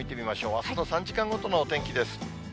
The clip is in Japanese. あすの３時間ごとのお天気です。